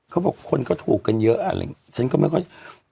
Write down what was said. เขาบอกคนก็ถูกเยอะเลยฉันก็ไม่ค่อย